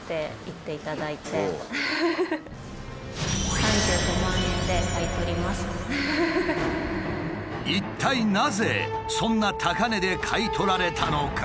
そうしたら一体なぜそんな高値で買い取られたのか？